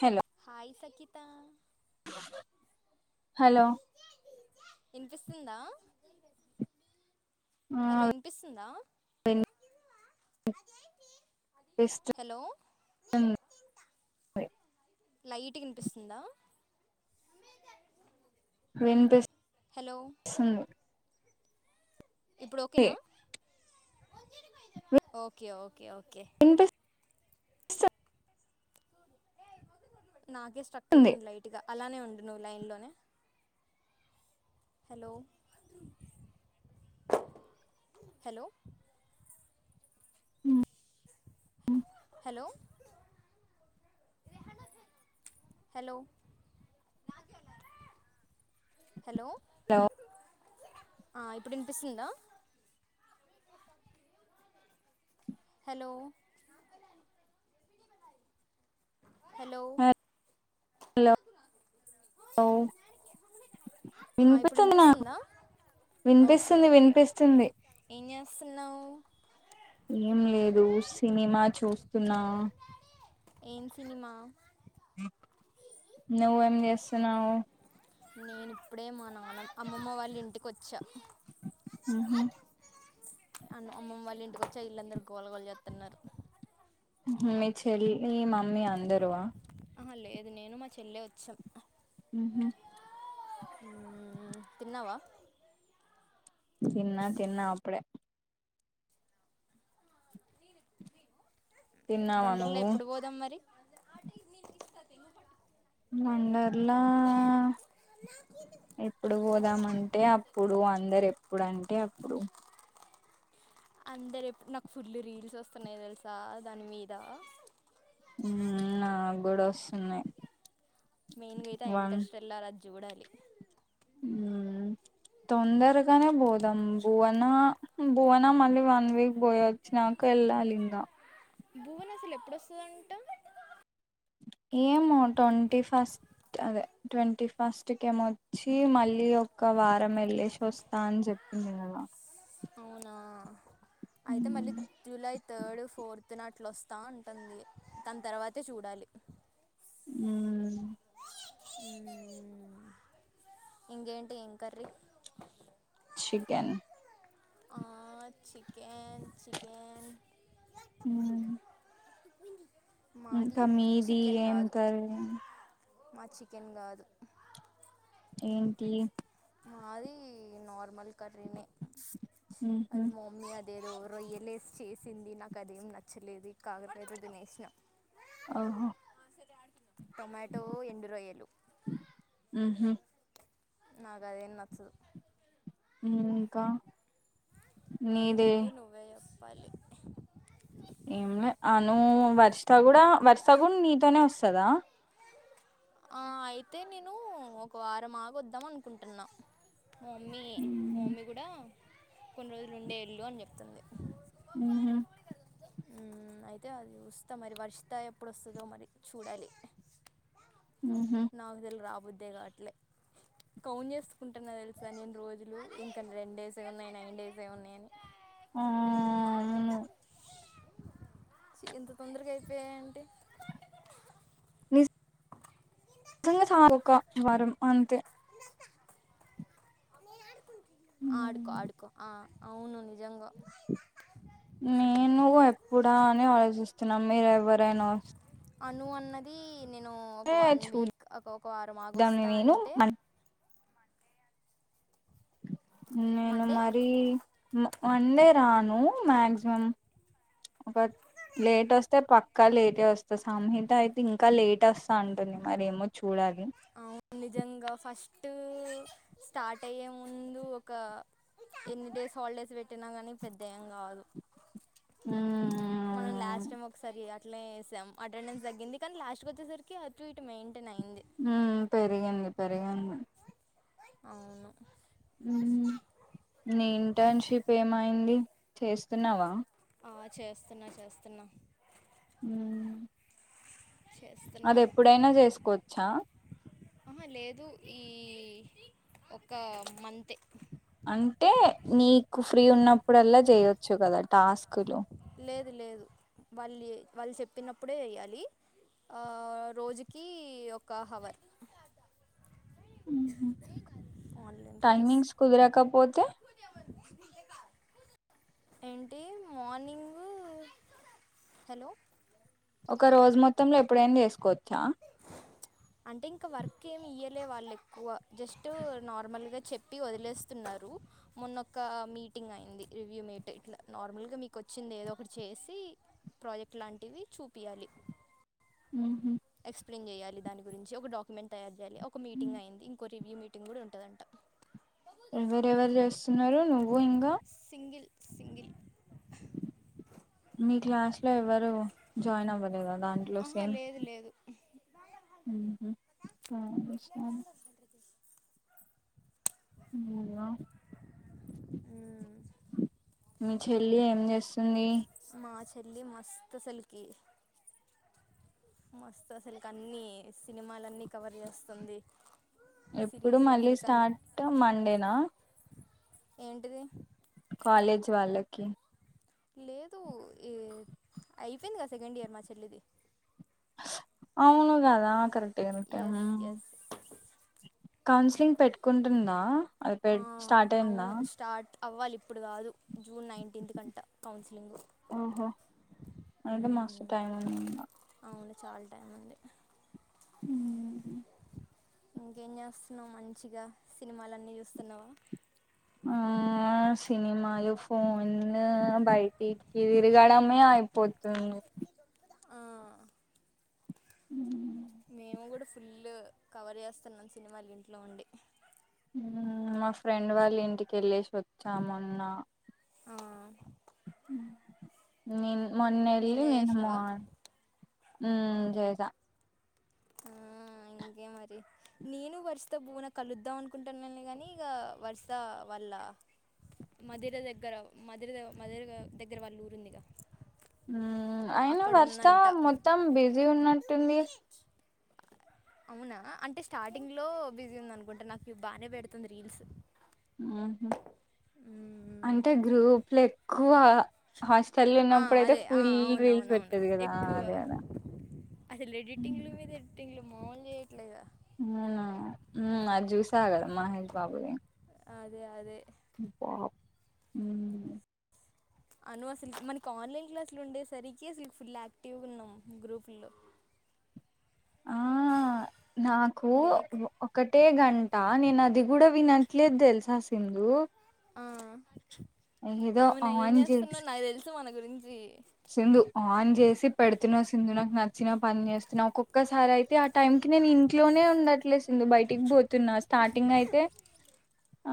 హల్ hi Sangeetha hello ఇనిపిస్తుందా ఆ hello వినిపిస్తుందా వినిపిస్తుంది హలో లైట్ గా వినిపిస్తుందా హలో వినిపిస్తుంది ఇప్పుడు ఓకేనా ఓకే ఓకే ఓకే స్త నాకే స్ట్రక్ అవుతుంది లైట్గా అలానే ఉండు నువ్వు లైన్లోనే hello hello hello hello hello ఆ ఇప్పుడు వినిపిస్తుందా హలో హలో హలో ఆ ఇప్పుడు వినిపిస్తుంది నాకు వినిపిస్తుందా ఓకే వినిపిస్తుంది ఓకే ఓకే వినిపిస్తుంది ఏం చేస్తున్నావ్ ఏం లేదు సినిమా చూస్తున్నా ఏం సినిమా నువ్ ఏం చేస్తుస్తున్నావు నేను ఇప్పుడే మా నాన్న అమ్మమ్మ వాళ్ళ ఇంటికి వచ్చా ఉహు అమ్మమ్మ వాళ్ళ ఇచ్చా ఇల్ళందరు గోలగోల చేస్తున్నారు మీ చెల్లి మమ్మీ అందరు ఆ ఆహా లేదు నేను మా చెల్లె వచ్చాం మ్మ్ హ్మ్ తిన్నావా తిన్న తిన్న అప్పుడే తిన్నావా వంటల్లో నువ్వు ఎప్పుడు పోదాం మరి వండర్లా ఎప్పుడు పోదామంటే అప్పుడు అందరు ఎప్పుడు అంటే అప్పుడు అందరు ఎప్పుడు నాకు ఫుల్లు రీల్స్ వస్తున్నాయి తెలుసా దాని మీద హ్మ్ నా కూడా వస్తున్నాయి మెయిన్గా అయితే వన్ ఇంట్రెస్ట్ వెళ్ళాలి అని చూడాలి మ్మ్ తొందరగానే పోదాం బువనా బువనా మళ్ళీ వన్ వీక్ పోయి వచ్చినా అకా ఎల్లాలి ఇంకా భువన్ అసలు ఎప్పుడు వస్తది అంటా ఏమో ట్వంటీ ఫస్ట్ అదే ట్వంటీ ఫస్ట్ కి ఏమొచ్చి మళ్ళీ ఒక ఒక వారం వెళ్ళసి వస్తా అని చెప్పింది కథ అవునా అయితే మళ్ళీ జూలై థర్డ్ ఫోర్త్ నా అట్లొస్తా అంటుంది దాని తర్వాతే చూడాలి మ్మ్ ఇంకేంటి ఏం కర్రీ చికెన్ ఆ చికెన్ చికెన్ మ్మ్ మాది ఇంకా మీది చికెన్ ఏం కాదు కర్రీ మా చికెన్ కాదు ఏంటి మాది నార్మల్ కర్రనే మ్మ్ హు అది మమ్మీ అది యేదో రొయ్యలు యేసి చేసింది నాకు అదేం నచ్చలేదు కాకర్యకాయతో తీనేసిన ఆహ టొమాటో ఎండు రోయలు మ్మ్ హ్మ్ నాకు అదేం నచ్చదు ఇంకా నీదే ఏముంది నువ్వే చెప్పాలి ఏంలే అను వర్షిత కూడా వర్షిత కూడా నీతోనే వస్తదా ఆ అయితే నేను ఒక వారం ఆగి వద్దాం అనుకుంటున్నా మా మమ్మీ మా మమ్మీ కూడా కొన్ని రోజులు ఉండే వెళ్ళు అని చెప్తుంది ఉహూ ఉమ్ అయితే అది వస్త మరి వర్షిత ఎప్పుడు వస్తుందో మరి చూడాలి ఉహు నాకు తెలియదు రాబుద్దే కావట్లే కౌంట్ చేసుకుంటున్నా తెలుసా నేను రోజులు ఇంకా రెండు డేస్ ఏ ఉన్నాయి నైన్ డేస్ ఏ ఉన్నాయని ఆ అవును ఎంత తొందరగా అయిపోయాఏంటి [unintelligible] వారం అంతే ఆడుకో ఆడుకో ఆ అవును నిజంగా నేను ఎప్పుడా అని ఆలోచిస్తున్నాం మీరు ఎవరు [unintelligible] అను అన్నది నేను ఒక వన్ వీక్ చూద్దాం ఒక ఒక వారం ఆగి వస్తా నేను అంటే నేను మండే మరి వన్ డే రాను మాక్సిమం [inaudible] లేట్ వస్తే పక్కా లేటే వస్తా సంహిత అయితే ఇంకా లేట్ వస్తా అంటుంది మరేమో చూడాలి అవును నిజంగా ఫస్ట్ స్టార్ట్ అయ్యే ముందు ఒక ఎన్ని డేస్ హాలిడేస్ పెట్టినా గానీ పెద్ద ఏం కాదు మనం ఉమ్ లాస్ట్ టైం ఒకసారి అట్లేనేసాం అటెండెన్స్ తగ్గింది కానీ లాస్ట్ వచ్చేసరికి అటు ఇటు మెయింటైన్ అయింది హ్మ్మ్ పెరిగింది పెరిగింది అవును నీ ఇంటర్న్షిప్ ఏమైంది చేస్తున్నావా ఆ చేస్తున్నా చేస్తున్నాను హ్మ్మ్ చేస్తున్నా అది ఎప్పుడైనా చేసుకోవచ్చా ఆహ లేదు ఈ ఒక మంతే అంటే నీకు ఫ్రీ ఉన్నప్పుడల్లా చేయొచ్చు కదా టాస్కులు లేదు లేదు వాళ్ళు వాళ్ళు చెప్పినప్పుడే ఎ య్యాలి ఆ రోజుకి ఒక హవర్ ఆన్లైన్ క్లాస్ టైమింగ్స్ కుదరకపోతే ఏంటి మార్నింగ్ హలో ఒక రోజు మొత్తంలో ఎప్పుడైనా చేసుకోవచ్చా లే వాళ్ళు ఎక్కువ జస్ట్ నార్మల్ గా చెప్పి వదిలేస్తున్నారు మొన్నక్క మీ టింగ్ అయింది రివ్యూ మేట్ ఇట్లా నార్మల్ గా మీకు వచ్చింది ఏదో ఒకటి చేసి ప్రాజెక్ట్ లాంటివి చూపియ్యాలి ఉహూ ఎక్స్ప్లెయిన్ చేయాలి దాని గురించి ఒక డాక్యుమెంట్ తయారు చేయాలి ఒక మీటింగ్ అయ్యింది ఇంక రివ్యూ మీటింగ్ కూడా ఉంటదంట ఎవరెవరు చేస్తున్నారు నువ్వు ఇంకా సింగిల్ సింగిల్ మీ క్లాస్ లో ఎవ్వరు జాయిన్ అవ్వలేదా దాంట్లో ఆహా సేమ్ లేదు లేదు [inaudible] ఉహు నీ సరే ప్లేట్ ఏం సరే చేస్తుంటది అవునా మీ చెల్లి ఏం చేస్తుంది మా చెల్లి మస్త అస్సలకి మస్తు అసలకి అన్ని సినిమాలన్నీ కవర్ చేస్తుంది ఎప్పుడు సిరీస్లు మళ్ళీ అన్నీ కన్ స్టార్ట్ మండేన ఏంటిది కాలేజ్ వాళ్ళకి లేదు అయిపోయింది కదా సెకండ్ ఇయర్ మా చెల్లిది అవునుగద కరె ఎస్ ఎస్ కౌన్సిలింగ్ పెట్టుకుంటుందా అది పె ఆ స్టార్ట్ అయ్యింద అవును స్టార్ట్ అవ్వాలి ఇప్పుడు కాదు జూన్ నైన్టీన్త్ కంట కౌన్సిలింగు అంటే మస్తు టైం ఉందింగ చాల టైం ఉంది ఉ ఇంకేం చేస్తున్నావు మంచిగా సినిమలన్నీ చూస్తున్నావ ఆ సినిమలు ఫోన్లు [unintelligible] తిరగడమే అయిపోతుంది ఆ ఉ మేము కూడ ఫుల్ కవర్ చేస్తున్నాం సినిమాలు ఇంట్లో ఉండి మా ఫ్రెండ్ వాళ్ళు ఇంటికి వెళ్ళసి వచ్చ మొన్న ఆ నేను మొన్న వెళ్ళి ఎంజాయ్ చేసినవా [unintelligible] ఉ చేస ఆ ఇంకేం నేను వర్షిత భున కలుద్దాం అనుకుంటాను నను గాని ఇగ వర్షిత వాళ్ళ మధుర దగ్గర మధర మధుర దగ్గర వాళ్ళు ఊరుంది ఇక అయినా వర్షిత ఉందంట మొత్తం బిజీ గా ఉన్నట్టుంది అవునా అంటే స్టార్టింగ్ లో బిజీ ఉంది అనుకుంట నాకు బాగానే పెడుతుంది రీల్స్ అంటే గ్రూప్లు ఎక్కువ హాస్టలో ఆ ఉన్నప్పుడు అయితే అదే ఆ ఫుల్ వీల్స్ అవునవునవును పెట్టది కదా ఎక్కువ అదే అదా అసలు ఎడిటింగ్లు మీద ఎడిటింగ్లు మాముల్గా చేయట్లేదా అది చూసా కదా మహేష్ బాబు ది అదే అదే హు అను అసలు మనకి ఆన్లైన్ క్లాసులు ఉండేసరికి అసలు ఫుల్ యాక్టివ్ గా ఉన్నాం గ్రూపులో [inaudible] ఆ నాకు లేక్ ఒకటే గ నేను అది కూడ వినట్లేదు తెలిసా సిందు ఆ అవునా ఏం ఆన్ చేస్తున్నా చేసి నాకు తెలుసు మన గురించి సింధు ఆన్ చేసి పెడుతున్నా సింధు నాకు నచ్చినా పని చేస్తున్నావు ఒక్కొక్కసారి అయితే అయితే ఆ టైం కి నేను ఇంట్లోనే ఉండట్లేసిందు బయటికి పోతున్నా స్టార్టింగ్ అయితే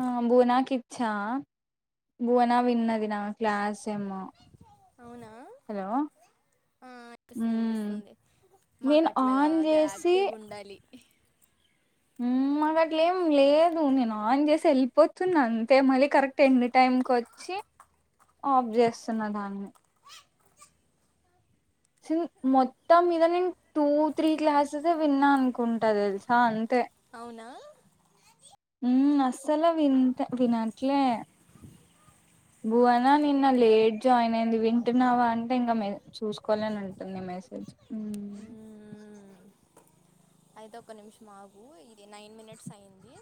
ఆ బునాకి ఇచ్చా బునా విన్నది నా క్లాస్ ఏమో అవునా హలో ఆ వినిపిస్తుంది ఉమ్ వినిపిస్తుంది మాకు నేను అట్లా ఆన్ గదు చేసి యాక్టివ్ గా ఉండాలి [inaudible] మాకు అట్లే ఏం లేదు నేను ఆన్ చేసి వెళ్ళిపోతున్నా అంతే మళ్ళీ కరెక్ట్ ఎం టైం కు వచ్చి ఆఫ్ చేస్తున్న దాన్ని మొత్తం మీద నేను టూ త్రీ క్లాసెస్ే విన్నా అనుకుంటాది తెలుసా అంతే అవునా హ అస్సలు వింట వినట్లే భువనా నిన్న లేట్ జాయిన్ అయింది వింటున్నావా అంటే ఇంకా చూసుకోవాలని ఉంటుంది మెసేజ్ ఉమ్ ఉ ఐద ఒక నిమిషం ఆగు ఇది నైన్ మినిట్స్ అయ్యంది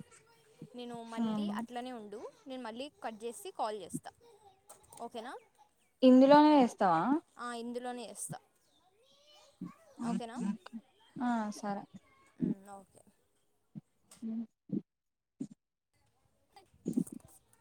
నేను మళ్ళీ అవును అట్లానే ఉండు నేను మళ్ళీ కట్ చేసి కాల్ చేస్తా ఓకేనా ఇందులోనే వేస్తావా ఇందులోనే ఇస్తా ఓకేనా ఆ సరే మ్మ్, ఓకే అ [inaudible]